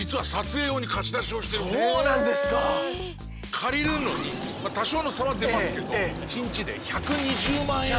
借りるのにまあ多少の差は出ますけど１２０万！？